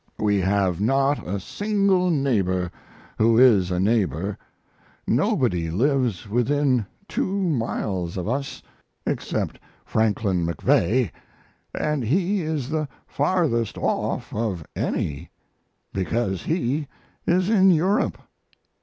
We have not a single neighbor who is a neighbor. Nobody lives within two miles of us except Franklin MacVeagh, and he is the farthest off of any, because he is in Europe....